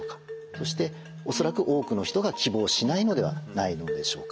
そして恐らく多くの人が希望しないのではないでしょうか。